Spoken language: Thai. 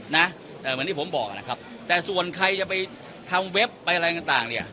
เหมือนที่ผมบอกนะครับแต่ส่วนใครจะไปทำเว็บไปอะไรต่างเนี่ย